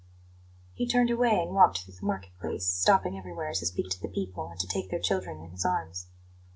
He turned away and walked through the market place, stopping everywhere to speak to the people, and to take their children in his arms.